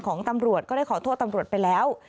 ของตำรวจก็ได้ขอโทษตำรวจไปแล้ว